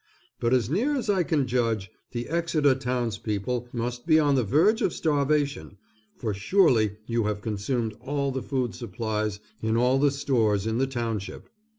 But as near as I can judge the Exeter townspeople must be on the verge of starvation, for surely you have consumed all the food supplies in all the stores in the township.